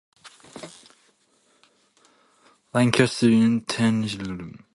Lancaster initially worked alongside Betjeman at the "Architectural Review".